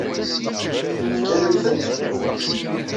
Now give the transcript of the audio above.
Fkan-am-tent?